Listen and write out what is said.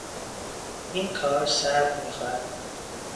این کار صبر میخواهد.